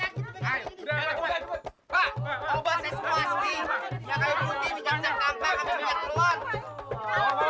yang kaya putih dikacau kacau kacau kacau